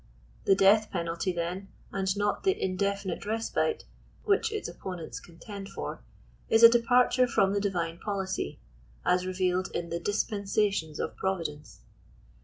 The death penalty then, and not the indefinite respite" which its opponents contend for, is a departure from the divine policy, as re vealed in the dispensations of Providence."